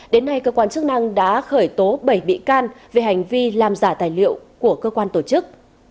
đến nay cơ quan chức năng đã khởi tố bảy bị can về hành vi làm giả tài liệu của cơ quan tổ chức